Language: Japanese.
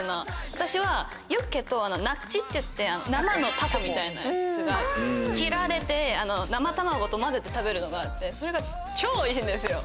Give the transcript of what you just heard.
私はユッケとナッチっていって生のタコみたいなやつが切られて生卵と混ぜて食べるのがあってそれが。